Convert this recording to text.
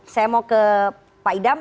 saya mau ke pak idam